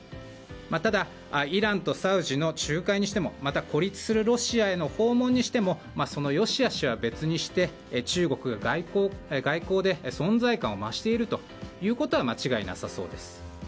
ただ、イランとサウジの仲介にしてもまた、孤立するロシアへの訪問にしてもその良し悪しは別にして中国が外交で存在感を増しているということは間違いなさそうです。